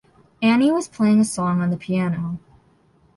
Annie was playing a song on the piano.